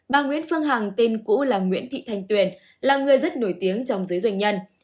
bà nguyễn phương hằng tên cũ là nguyễn thị thanh tuyền là người rất nổi tiếng trong giới doanh nhân